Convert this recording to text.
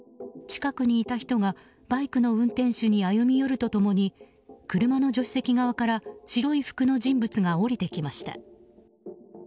近くにいた人がバイクの運転手に歩み寄ると共に車の助手席側から白い服の人物が降りてきました。